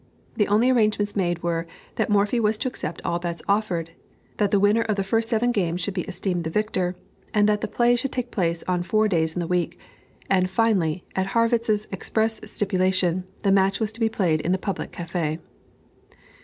The only arrangements made were, that Morphy was to accept all bets offered, that the winner of the first seven games should be esteemed the victor, and that the play should take place on four days in the week; and, finally, at Harrwitz's express stipulation, the match was to be played in the public café.